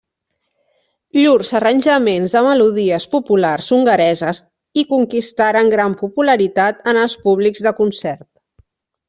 Llurs arranjaments de melodies populars hongareses i conquistaren gran popularitat en els públics de concert.